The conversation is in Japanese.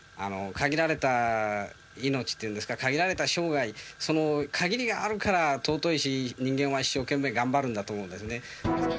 限られた命っていうんですか、限られた生涯、その限りがあるから尊いし、人間は一生懸命頑張るんだというのがですね。